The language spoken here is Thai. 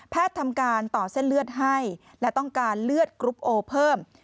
ทำการต่อเส้นเลือดให้และต้องการเลือดกรุ๊ปโอเพิ่ม